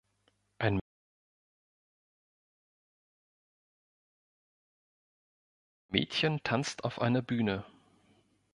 Ein Mädchen tanzt auf einer Bühne.